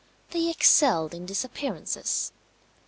They excelled in disappearances.